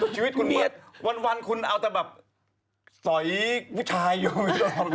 ชีวิตคุณวันคุณเอาแต่แบบสอยผู้ชายอยู่